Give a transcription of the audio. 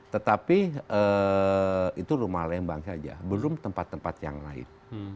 tetapi itu rumah lembang saja belum tempat tempat yang lain